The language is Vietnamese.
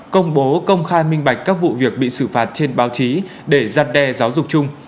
công bố công khai minh bạch các vụ việc bị xử phạt trên báo chí để giăn đe giáo dục chung